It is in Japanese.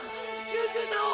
救急車を！